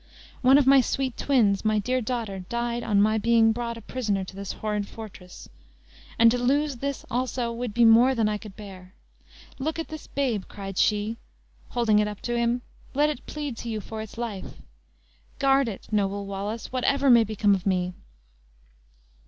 One of my sweet twins, my dear daughter, died on my being brought a prisoner to this horrid fortress, and to lose this also would be more than I could bear. Look at this babe," cried she, holding it up to him; "let it plead to you for its life! Guard it, noble Wallace, whatever may become of me!"